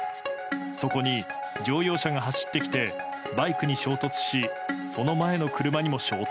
そこに乗用車が走ってきてバイクに衝突しその前の車にも衝突。